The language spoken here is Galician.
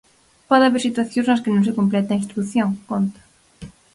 "Pode haber situacións nas que non se complete a instrución", conta.